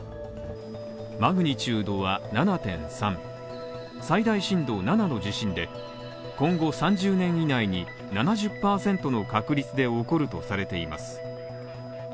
マグニチュードは７．３最大震度７の地震で今後３０年以内に７０％の確率で起こるとされています。